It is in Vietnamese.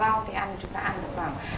và rau thì ăn chúng ta ăn được khoảng